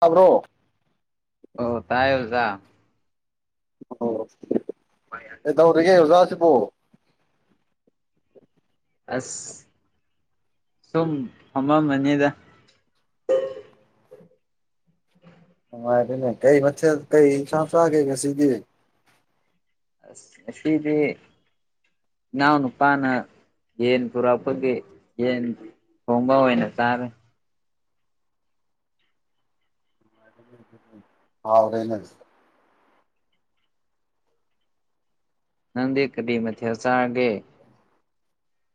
ꯇꯕ꯭ꯔꯣ ꯑꯣ ꯇꯥꯏ ꯍꯧꯖ ꯑꯣ ꯑꯦ ꯇꯧꯔꯤꯒꯦ ꯑꯣꯖꯥꯁꯤꯕꯨ ꯑꯁ ꯁꯣ ꯑꯃ ꯃꯅꯤꯗ [unintelligible] ꯃꯥ ꯀꯩ ꯃꯊꯔ ꯀꯩ ꯏꯁꯁꯒꯦ ꯀ ꯁꯤ ꯑꯁ ꯁꯤꯗꯤ ꯎꯅꯄꯥꯅ ꯌꯦꯟ ꯄꯨꯔꯛꯄꯒꯤ ꯌꯦꯟ ꯊꯣꯡꯕ ꯑꯣꯏꯅ ꯇꯥꯔꯦ ꯑ ꯑꯔꯅ ꯅꯪꯗꯤ ꯀꯗꯤ ꯃꯊꯦ ꯆꯥꯔꯒꯦ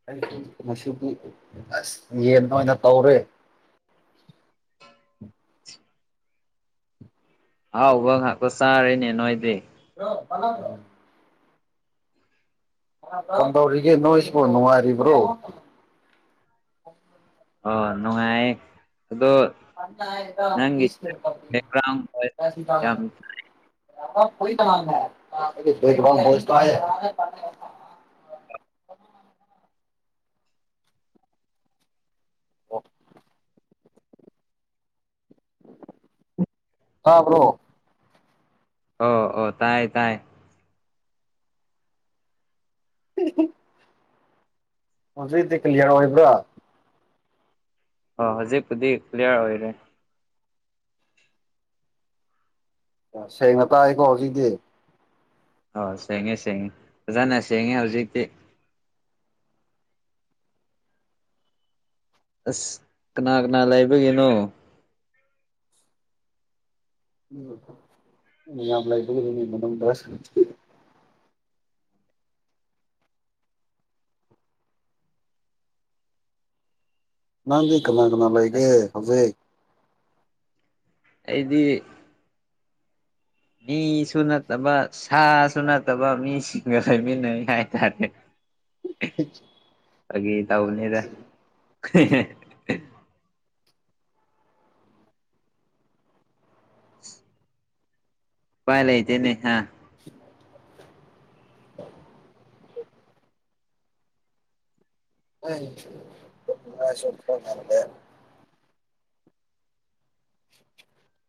ꯑꯩꯁꯨ ꯃꯁꯨ ꯑꯁ ꯌꯦꯟ ꯑꯣꯏꯅ ꯇꯧꯔꯦ [inaudible] ꯍꯥꯎꯕ ꯉꯥꯏꯥꯛꯇ ꯆꯥꯔꯔꯤꯅꯦ ꯅꯣꯏꯗꯤ ꯄꯂ꯭ꯔꯣ ꯀꯝꯗꯧꯔꯤꯒꯦ ꯅꯣꯏ ꯏꯁꯕꯨꯥꯎ ꯅꯨꯡꯉꯥꯏꯔꯤꯕ꯭ꯔꯣ ꯑꯣ ꯅꯨꯡꯉꯥꯏ ꯕꯦꯛꯒ꯭ꯔꯥꯎꯟ ꯚꯣꯏꯁ ꯌꯥꯝ ꯐꯁꯁ ꯃ [unintelligible] ꯑꯣ ꯍꯥꯕ꯭ꯔꯣ ꯑꯣ ꯑꯣ ꯇꯥꯏ ꯇꯥꯏ ꯑꯝꯍꯝ ꯍꯧꯖꯤꯛ ꯗꯤꯀꯤꯂꫪ ꯑꫭꯏꯕ꯭ꯔꫭ ꯑ ꯍꯧꯖꯤ ꯄꯨꯗꯤ ꯀꯂꯤꯌꯥꯔ ꯑꯣꯏꫪ‌ꯦ ꯁꯦꯡꯅ ꯇꯥꯏꯀꯣ ꯍꯧꯖꯤꯛꯗꯤ ꯑꯣ ꯁꯦꯡꯉꯦ ꯁꯦꯡꯉꯦ ꯐꯖꯥꯅ ꯁꯦꯡꯉꯦ ꯍꯧꯖꯤꯛꯇꯤ ꯑꯁ ꯀꯅꯥ ꯀꯅꯥ ꯂꯥꯏꯕꯒꯤꯅꯣ ꯃꯤ ꯌꯥꯝ ꯂꯩꯕꯒꯤꯅꯤ ꯃꯅꯨꯡꯗ ꯅꯪꯗꯤ ꯀꯅꯥ ꯀꯅꯥ ꯂꯩꯒꯦ ꯑꯁ ꯍꯧꯖꯤꯛ ꯑꯩꯗꯤ ꯃꯤꯁꯨ ꯅꯠꯇꯕ ꯁꯥꯁꯨ ꯅꯠꯇꯕ ꯃꯤꯁꯤꯡꯒ ꯂꯩꯃꯤꯟꯅꯩ ꯍꯥꯏꯇꯥꯔꯦ [unintelligible] ꯐꯥꯒꯤ ꯇꯧꯃꯤꯗ ꯎꯄꯥꯏ ꯂꯩꯇꯦꯅꯦ ꯍꯥ [unintelligible] ꯃꯥꯏ ꯆꫭꯞꯄ ꯉꯝꯗ‌ꯦ [unintelligible]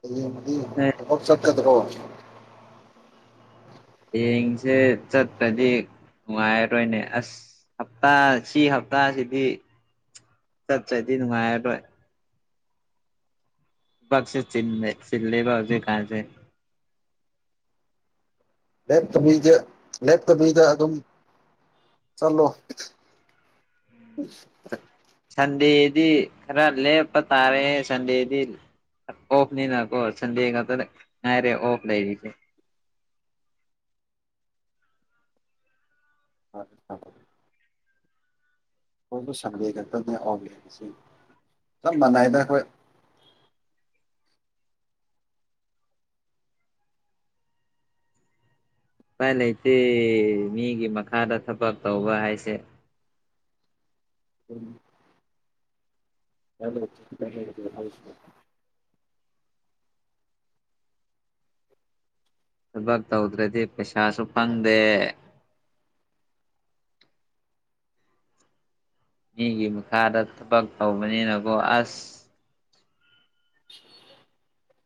ꯍꯥꯌ‌ꯦꯡꯗꯤ ꯊꯕꯛ ꯆꯠꯀꯗ꯭ꫪꫭ ꯍꯌꯦꯡꯁꯦ ꯆꯠꯇ‍꯭ꯔꯗꯤ ꯅꯨꯡꯉꯥꯏꯔꯣꯏꯅꯦ ꯑꯁ ꯍꯞꯇꯥ ꯁꯤ ꯍꯞꯇꯥꯁꯤꯗꯤ ꯆꯠ ꯇ꯭ꫪꯗꯤ ꯅꯨꯡꯉꯥꯏꯔꫭꯏ ꯊꯕꯛꯁꯨ ꯆꯤꯟꯌ‌ꯦ ꯆꯤꯜꯂ‌ꯦꯕꯥ ꯍꯧꯖꯤꯛ ꯀꯥꯟꯁꯦ ꯂꯥꯏꫪꯤꯛ ꯇꯝꯃꯨꯏꯗ‌ꯦ ꯂꯥꯏꫪꯤꯛ ꯇꯝꯃꯨꯏꯗ ꯑꯗꯨꯝ ꯆꯠꯂꯣ ꯁꯟꯗꯦꯗꯤ ꯈꯔ ꯂꯦꯞꯄ ꯇꯥꯔꯦ ꯁꯟꯗꯦꯗꯤ ꯑꯣꯐ ꯅꯤꯅꯀꯣ ꯁꯟꯗꯦ ꯉꯠꯇ ꯉꯥꯏꫪ‌ꯦ ꯑꯣꯐ ꯂꯩꯁꯤꯁ‌ꯦ [unintelligible] ꯑꯩꯈꫭꯁꯨ ꯁꯟꯗ‌ꯦ ꯈꯛꯇꯅꯦ ꯑꯣꯐ ꯂꯩꫪꯤꯁ‌ꯦ ꯆꯞ ꯃꯟꯅꯏꯗ ꯑꯩꯈꯣꯏ ꯏꯄꯥꯏ ꯂꯩꯇꯦ ꯃꯤꯒꯤ ꯃꯈꯥꯗ ꯊꯕꯛ ꯇꯧꯕ ꯍꯥꯏꯁꯦ ꯎꯝ ꯊꯕꯛ ꯇꯧꯗ꯭ꯔꯗꯤ ꯄꯩꯁꯥꯁꯨ ꯐꯪꯗꯦ ꯃꯤꯒꯤ ꯃꯈꯥꯗ ꯊꯕꯛ ꯇꯧꯕꯅꯤꯅꯀꫭ ꯑꯁ [unintelligible]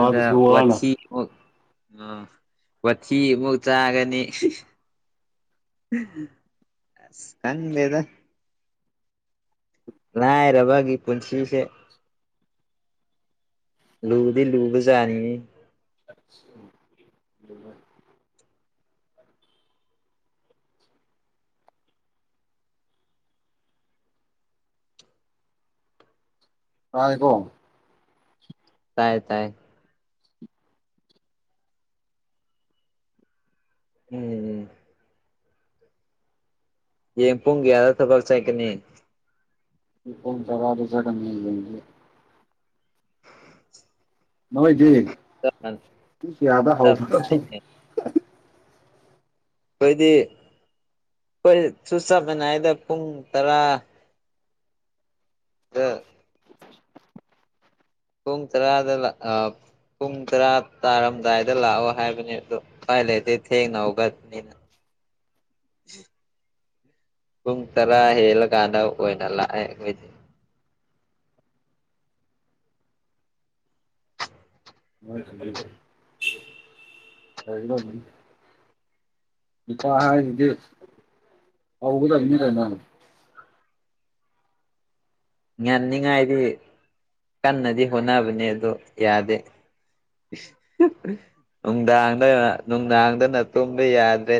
ꯑꯗꯨꯗ ꯋꯥꯅ ꯋꯥꯊꯤ ꯑ ꯋꯥꯊꯤ ꯑꯃꯨꯛ ꯆꯥꯒꯅꯤ ꯑꯁ ꯈꯪꯗ‌ꯦꯗ ꯂꯥꯏꯔꯕꯥꯒꯤ ꯄꯨꯟꯁꯤꯁꯦ ꯂꯨꯗꯤ ꯂꯨꯕꯖꯟꯅꯤ ꯍ‌ꯦ ꯇꯥꯏꯌ‌ꯦꯀꯣ ꯇꯥꯏ ꯇꯥꯏ ꯎꯝ ꯎꯝ ꯌꯦꯡ ꯄꯨꯡ ꯀꯌꯥꯗ ꯊꯕꯛ ꯆꯠꯀꯅꯤ ꯑꯩ ꯄꯨꯡ ꯇꫪꯥꯗ ꯆꯠꯀꯅꯤ ꯂꯩꯗꯤ ꯃꫭꯏꯗꯤ ꯄꯨꯡ ꯀꯥꯌꯗ ꯍꯧꯕꫪ ꯑꯩꯈꯣꯏꯗꯤ ꯑꯩꯈꯣꯏꯗꯤ ꯑꯩꯈꯣꯁꯨ ꯆꯠꯀꯅ‌ꯦ ꯍꯥꯏꯗ ꯄꯨꯡ ꯇꯔꯥ ꯗ ꯄꯨꯡ ꯇꯔꯥꯗ ꯂꯥꯛ ꯑ ꯄꯨꯡ ꯇꯔꯥ ꯇꯥꯔꯝꯗꯥꯏꯗ ꯂꯥꯛꯑꯣ ꯍꯥꯏꯕꯅꯦ ꯑꯗꯣ ꯎꯨꯄꯥꯏ ꯂꯩꯇꯦ ꯊꯦꯡꯅꯍꯧꯒꯠ ꯄꯅꯤꯅ ꯎ ꯄꯨꯡ ꯇꯔꯥ ꯍꯦꯜꯂꯀꯥꯟꯗ ꯑꯣꯏꯅ ꯂꯥꯛꯑꯦ ꯑꯩꯈꯣꯏꯁꯦ ꯇꯅꯤ ꯏꯄꯥꯗꯤ ꯍꯕꯗꯅꯤ ꯇꯅꯣ ꯉꯅꯤꯡꯉꯥꯏꯗꯤ ꯀꯟꯅꯗꯤ ꯍꯣꯠꯅꯕꯅꯦ ꯑꯗꯣ ꯌꯥꯗꯦ ꯅꯨꯡꯗꯥꯡꯗ ꯅꯨꯡꯗꯥꯡꯗꯅ ꯇꯨꯝꯕ ꯌꯥꯗ꯭ꯔꯦ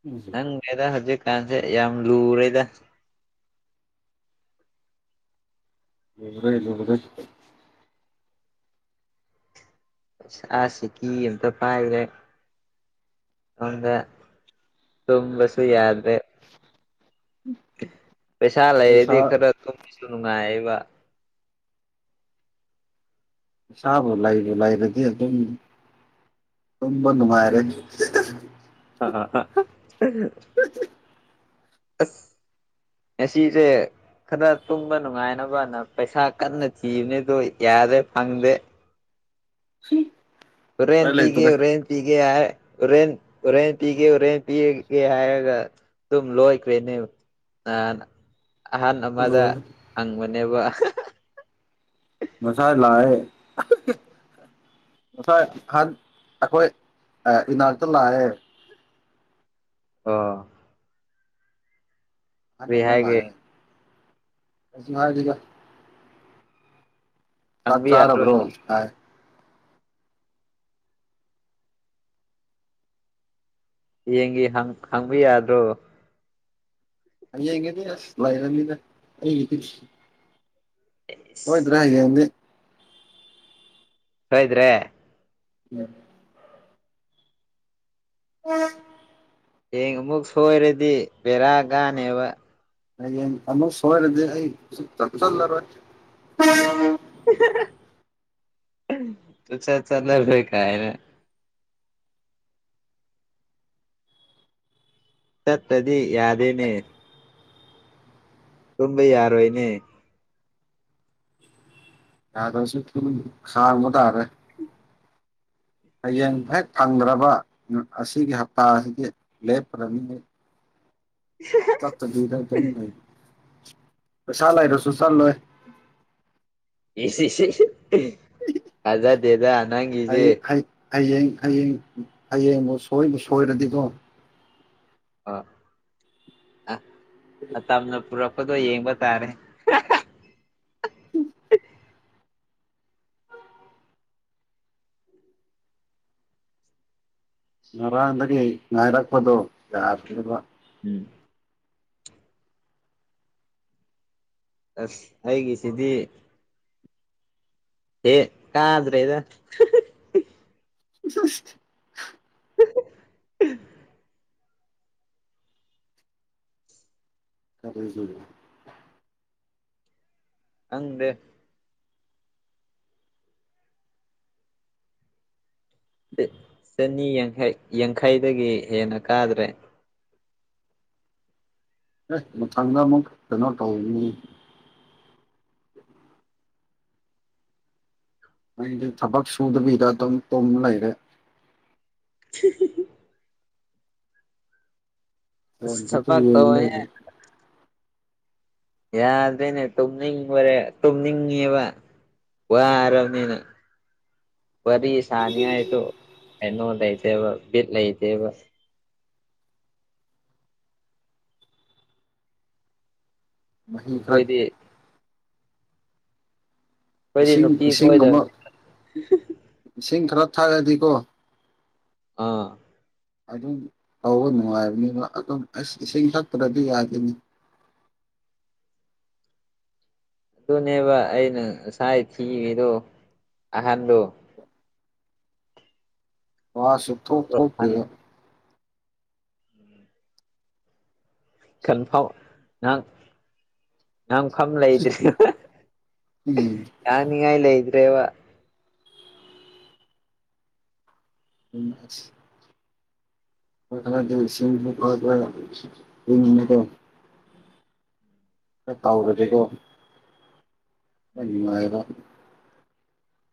ꯀꯩꯅꯣ ꯅꯪꯉꯦꯗ ꯍꯧꯖꯤꯛꯀꯥꯟꯁꯦ ꯌꯥꯝ ꯂꯨꯔꯦꯗ ꯔꯦ ꯂ ꯁꯤ ꯀꯀꯤ ꯑꯦꯇ ꯄꯔꯦ ꯍꯗ ꯇꯨꯝꯕꯁꯨꯨꯌꯥ ꯑꯗꯨ꯭ꯔꯦ ꯄꯩꯁꯥ ꯂꯩꯗꯤ ꯈꯔ ꯊꯨ ꯁꯅꯨꯡꯉꯥꯏ ꯏꯕ ꯁꯥꯥꯕꯨꯣꯂꯏꯕꯨꯣꯂꯏꯔꯗꯤ ꯑꯗꯨꯝ ꯇꯝꯕ ꯅꯨ ꯃꯥꯥꯏꯔꯦ ꯑ ꯑꯦꯁꯤꯁꯦ ꯈꯔ ꯇꯨꯝꯕ ꯅꯨꯡꯉꯥꯏꯅꯕꯅ ꯄꯩꯁꯥ ꯀꯟꯅ ꯊꯤꯕꯅꯤꯗꯣ ꯌꯥꯔꯦ ꯐꯪꯗꯦ ꯎꯔꯦꯟꯦꯟ ꯎꯄꯥꯏ ꯄꯤꯒꯦ ꯂꯩꯇꯔꯦ ꯎꯔꯦꯟ ꯄꯤꯒꯦ ꯍꯥꯏ ꯍꯣꯔꯦꯟ ꯍꯣꯔꯦꯟ ꯄꯤꯒꯦ ꯍꯣꯔꯦꯟ ꯄꯤꯒꯦ ꯍꯥꯏꯔꯒ ꯑꯗꯨꯝ ꯂꯣꯏꯈ꯭ꯔꯦꯅꯦꯕ ꯅꯥꯟ ꯑꯍꯥꯟ ꯑꯃꯗ ꯍꯪꯕꯅꯦꯕ ꯃꯁꯥꯖ ꯂꯥꯛꯑ ꯉꯁꯥꯏ ꯑꯩꯈꯣꯏ ꯏꯅꯥꯇ ꯂꯥꯛꯑꯦ ꯑꯥ ꯑ ꯅꯔ ꯍꯥꯏꯒꯦ ꯂꯑꯦꯁꯨ ꯍꯥꯏꯒ ꯆ ꯍꯪꯕ ꯆꯥ ꯌꯥꯗ꯭ꯔꯣ ꯑꯣꯕ꯭ꯔꯣ ꯍꯥꯏ ꯌꯦꯡꯒꯤ ꯍꯪ ꯍꯪꯕ ꯌꯥꯗ꯭ꯔꯣ ꯑ ꯌꯦꯉꯗꯤ ꯂꯔꯃꯤꯗ ꯑꯩ ꯍꯣꯏꯗ꯭ꯔꯥ ꯍꯥꯏꯦ ꯁꯗ꯭ꯔꯦ ꯎꯝ ꯑ ꯍꯌꯦꯡ ꯑꯃꯨꯛ ꯁꯣꯏꯔꯗꯤ ꯕꯦꯔꯥ ꯀꯅꯦꯕ ꯑꯩ ꯑꯅꯨ ꯁ ꯍꯣꯏꯔꯗꯤ ꯑꯩ ꯆ ꯆꯔ ꯍ ꯇꯨ ꯆ ꯆꯂ ꯀꯥꯏꯅ ꯆꯠꯇꯗꯤ ꯌꯥꯗꯦꯅꯦ ꯔꯝꯕ ꯌꯥꯔꯏꯅꯦ ꯌꯥꯗꯁꯨ ꯊ ꯈꯥꯔ ꯃ ꯇꯔꯦ ꯎ ꯍꯌꯦꯡ ꯍꯦꯛ ꯐꯪꯗ꯭ꯔꯕꯠ ꯑꯁꯤꯒꯤ ꯍꯞꯇꯥ ꯑꯁꯤꯗꯤ ꯂꯦꯞꯈ꯭ꯔꯅꯤ ꯇ ꯗꯔ ꯀ ꯆꯂꯥꯏꯔꯁꯨ ꯆꯜꯂꯣꯏ ꯁꯤꯁꯤ ꯑꯖ ꯗꯦꯗꯥ ꯑꯅꯥꯒꯤꯁꯦ ꯍꯌꯦꯡ ꯍꯌꯦꯡ ꯍꯌꯦꯡꯕꯨ ꯁꯣꯏꯕꯨ ꯁꯣꯏꯔꯗꯤꯀꯣ ꯑ ꯑ ꯇꯅ ꯄꯔ ꯌꯦꯕ ꯇꯔꯦ ꯉꯔꯥꯡꯗꯒꯤ ꯉꯥꯏꯔꯛꯄꯗꯨꯣ ꯌꯥꯕ ꯎꯝ ꯑꯁ ꯑꯩꯒꯤ ꯁꯤꯗꯤ ꯍꯦ ꯀꯥꯗꯔꯦꯗ ꯁꯁ ꯈꯗꯔꯤꯁꯨꯗ ꯍꯪꯗꯦ ꯆꯅꯤ ꯌꯥꯡꯈꯩ ꯌꯥꯡꯈꯩꯗꯒꯤ ꯍꯦꯟꯅ ꯀꯥꯗ꯭ꯔꯦ ꯑꯦ ꯃꯊꯪꯗ ꯑꯃꯨꯛ ꯀꯩꯅꯣ ꯇꯧꯅꯤ ꯑꯩꯗꯤ ꯊꯕꯛ ꯁꯨꯗꯕꯤꯗ ꯑꯗꯨꯝ ꯇꯨꯝ ꯂꯩꯔꯦ [unintelligible] ꯑꯁ ꯍꯠꯇ ꯊꯕꯛ ꯇꯧꯋꯦ ꯌꯦꯅꯗ ꯌꯥꯗ꯭ꯔꯦꯅꯦ ꯇꯨꯝꯅꯤꯡꯕꯣꯔꯦ ꯇꯨꯝꯅꯤꯡꯉꯦꯕ ꯋꯥꯔꯕꯅꯤꯅ ꯋꯥꯔꯤ ꯁꯅꯤ ꯍꯥꯏ ꯇ ꯅꯣ ꯂꯩꯗꯦꯕ ꯂꯩꯗꯦꯕ ꯃꯍꯤ ꯐꯠ ꯑꯩꯈꯣꯏꯗꯤ ꯑꯩꯈꯣꯏꯗꯤ ꯏꯁꯤꯡ ꯅꯨꯄꯤ ꯏꯁꯤꯡ ꯑꯃ ꯀꯣꯏꯗꯕꯅꯤ ꯏꯁꯤꯡ ꯈꯔ ꯊꯛꯑꯗꯤꯀꯣ ꯑꯥ ꯑꯗꯨꯝ ꯇꯧꯕ ꯅꯨꯡꯉꯥꯏꯕꯅꯤꯕ ꯑꯗꯨꯝ ꯑꯁ ꯏꯁꯤꯡ ꯊꯛꯇ꯭ꯔꯗꯤ ꯌꯥꯗꯅꯤ [unintelligible] ꯑꯗꯨꯅꯦꯕ ꯑꯩꯅ ꯉꯁꯥꯏ ꯊꯤꯈꯤꯕꯗꯣ ꯑꯍꯟꯗꯣ ꯋꯥꯁ ꯊꯣꯡ ꯊꯣꯡꯀꯦ ꯑꯍꯟ ꯀꯟꯐꯥꯎ ꯑ ꯅꯪꯐꯝ ꯂꯩꯗ꯭ꯔꯦ ꯎꯝ ꯌꯥꯅꯤꯡꯉꯥꯏ ꯂꯩꯇ꯭ꯔꯦꯕ ꯍꯁ ꯗ [unintelligible] ꯇꯥꯎꯕꯖꯤꯀꯣ ꯑꯅꯤꯉꯔ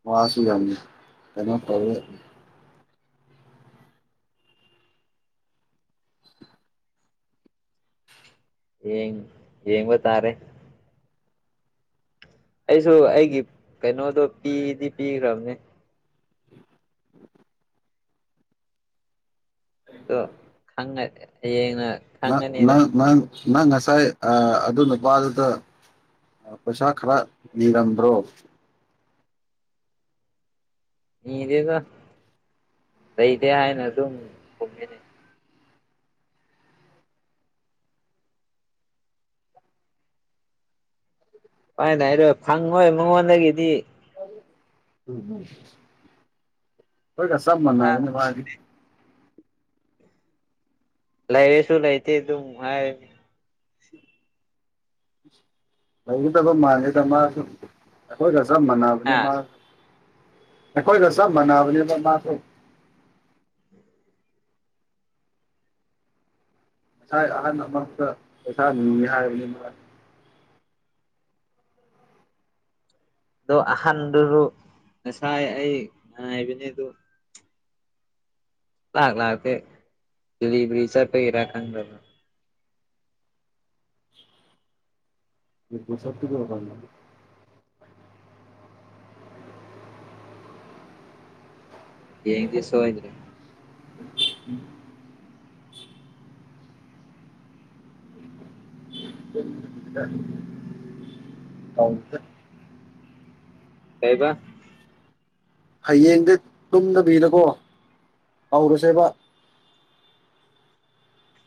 ꯃꯥꯁꯨ ꯌꯥꯝꯅꯤ ꯀꯩꯅꯣ ꯐꯔ ꯌꯦꯡ ꯌꯦꯡꯕꯥ ꯇꯥꯔꯦ ꯑꯩꯁꯨ ꯑꯩꯒꯤ ꯀꯩꯅꯣꯗꯣ ꯄꯤꯗꯤ ꯄꯤꯈ꯭ꯔꯕꯅꯦ ꯈꯪ ꯌꯦꯌꯦꯡ ꯪ ꯅꯪ ꯅꯪ ꯅꯪ ꯉꯁꯥꯏ ꯑꯗꯨ ꯅꯨꯄꯥꯗꯨꯗ ꯄꯩꯁꯥ ꯈꯔ ꯅꯤꯔꯝꯗ꯭ꯔꯣ ꯅꯤꯗꯦꯗ ꯂꯩꯇꯦ ꯍꯥꯏꯅ ꯑꯗꯨꯝ ꯀꯨꯝꯃꯤꯅꯤ ꯍꯣꯏꯅꯦ ꯍꯥꯏꯔꯣꯏ ꯐꯪꯉꯣꯏ ꯃꯉꯣꯟꯗꯒꯤꯗꯤ ꯎ ꯍꯣꯏ ꯀ ꯆꯞ ꯃꯅꯅꯤ ꯃꯥꯗꯤꯒ ꯂꯥꯏꯔ ꯁꯨ ꯂꯩꯥꯏꯇ ꯇ ꯍꯥꯏ ꯂꯩꯒꯗꯕ ꯃꯥꯥꯟꯂꯦꯗ ꯃꯥ ꯑꯩꯈꯣꯏꯒ ꯆꯞ ꯃꯥꯟꯅꯕꯅꯤ ꯃꯥ ꯑꯗꯣ ꯑꯩꯈꯣꯏꯒ ꯆꯞ ꯃꯥꯟꯅꯕꯅꯦꯕ ꯃꯥꯁꯨ ꯉꯁꯥꯏ ꯑꯍꯟ ꯑꯃꯛꯇ ꯄꯩꯁꯥ ꯅꯤꯍꯥꯏꯕꯅꯤ ꯃꯥ ꯑꯗꯣ ꯑꯍꯟꯗꯨꯁꯨ ꯉꯁꯥꯏ ꯑꯩ ꯉꯥꯏꯕꯅꯤ ꯑꯗꯨ ꯂꯥꯛ ꯂꯥꯛꯕꯔꯤ ꯆꯔ ꯐꯔꯗ [unintelligible] ꯌꯦꯡꯗꯤꯁꫭꯏꯗ꯭ꯔꯦ ꯑ ꯎꯝ ꯇꯥꯎꯦ ꯀꯥꯏꯕ ꯍꯌꯦꯡꯗꯤ ꯇꯨꯝꯗꯕꯤꯗꯀꯣ ꯍꯧꯔꯁꯦꯕ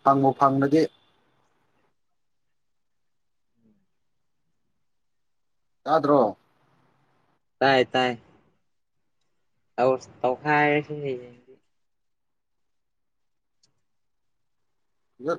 ꯐꯪꯉꯣ ꯐꯪꯅꯒꯦ ꯇꯤꯗ꯭ꯔꯣ ꯇꯥꯏ ꯇꯥꯏ ꯑꯧ ꯇꯧꯈꯥꯏꯔꯁꯤ ꯌꯦ